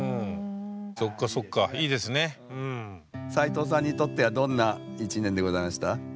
斎藤さんにとってはどんな１年でございました？